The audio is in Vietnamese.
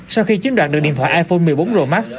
sau khi chiếm đoạt được điện thoại iphone một mươi bốn pro max